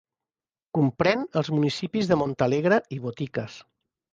Comprèn els municipis de Montalegre i Boticas.